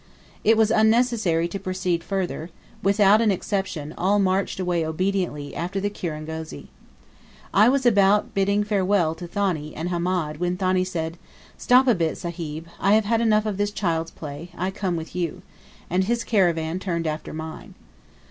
It was unnecessary to proceed further; without an exception, all marched away obediently after the kirangozi. I was about bidding farewell to Thani, and Hamed, when Thani said, "Stop a bit, Sahib; I have had enough of this child's play; I come with you," and his caravan was turned after mine.